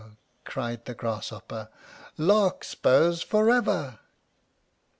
cried the Grasshopper, "Larkspurs forever!"